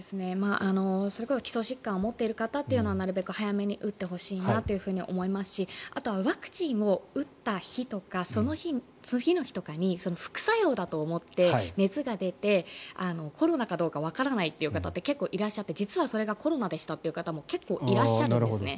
それこそ基礎疾患を持っている方というのはなるべく早めに打ってほしいなと思いますしあとはワクチンを打った日とかその日とかに副作用と思って熱が出てコロナかどうかわからないという方って結構いらっしゃって実はそれがコロナでしたっていう方も結構いらっしゃるんですね。